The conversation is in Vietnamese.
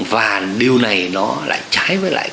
và điều này nó là trái với lại